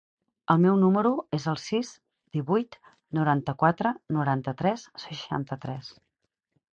El meu número es el sis, divuit, noranta-quatre, noranta-tres, seixanta-tres.